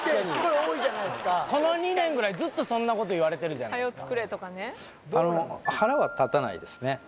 すごい多いじゃないっすかこの２年ぐらいずっとそんなこと言われてるじゃないっすか腹は立たないですね